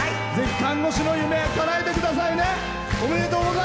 看護師の夢かなえてくださいね。